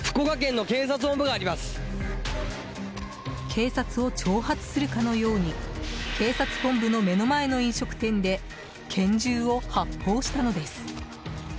警察を挑発するかのように警察本部の目の前の飲食店で拳銃を発砲したのです。